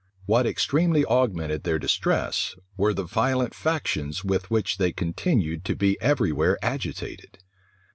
What extremely augmented their distress, were the violent factions with which they continued to be every where agitated.